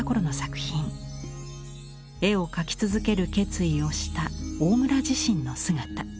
絵を描き続ける決意をした大村自身の姿。